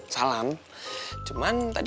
salam cuman tadi